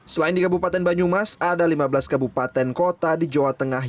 selain di kabupaten banyumas ada lima belas kabupaten kota di jawa tengah